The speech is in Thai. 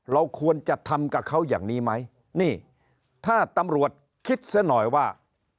เราควรจะทำกับเขาอย่างนี้ไหมนี่ถ้าตำรวจคิดซะหน่อยว่า